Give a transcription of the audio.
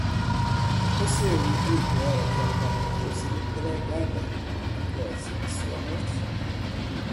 O seu intuito era que a carta fosse entregada após a sua morte.